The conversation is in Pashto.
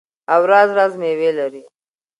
او راز راز میوې لري.